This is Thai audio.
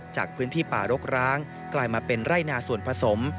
จากพื้นที่ป่ารกร้างกลายมาเป็นไร่นาส่วนผสม